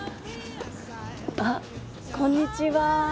あこんにちは。